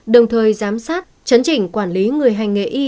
đồng thời giám sát chấn chỉnh quản lý người hành nghề y